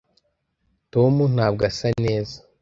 tom ntabwo asa neza